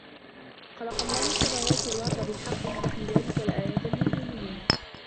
خَلَقَ اللَّهُ السَّماواتِ وَالأَرضَ بِالحَقِّ إِنَّ في ذلِكَ لَآيَةً لِلمُؤمِنينَ